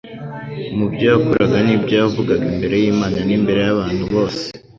mu byo yakoraga n'ibyo yavugaga imbere y'Imana n'imbere y'abantu bose,